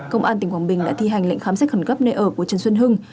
công an tỉnh quảng bình đã thi hành lệnh khám xét khẩn cấp nơi ở của trần xuân hưng